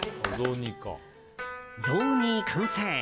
雑煮完成。